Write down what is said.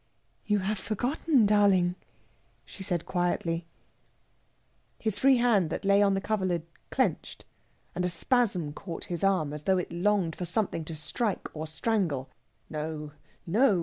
"You have forgotten, darling," she said quietly. His free hand that lay on the coverlid clenched, and a spasm caught his arm, as though it longed for something to strike or strangle. "No, no!"